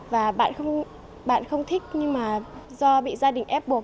và bạn không thích nhưng mà do bị gia đình ép buộc